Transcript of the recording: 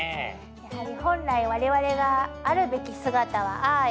やはり本来我々があるべき姿はああよ。